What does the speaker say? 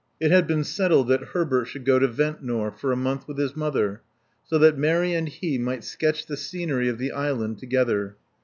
It had been settled that Herbert should go to Ventnor for a month with his mother, so that Mary and he might sketch the scenery of the island together.